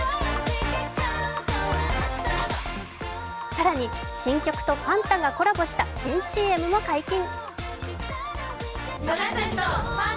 更に新曲とファンタがコラボした新ＣＭも解禁。